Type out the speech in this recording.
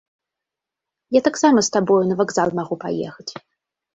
Я таксама з табою на вакзал магу паехаць.